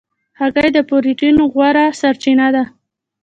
هګۍ د پروټین غوره سرچینه ده.